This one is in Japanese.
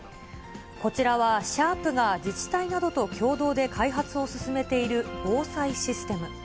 こちらはシャープが自治体などと共同で開発を進めている防災システム。